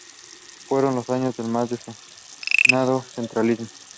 Fueron los años del más desenfrenado centralismo.